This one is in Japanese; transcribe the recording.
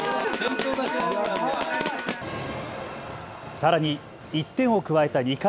さらに１点を加えた２回。